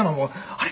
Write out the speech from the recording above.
「あれ？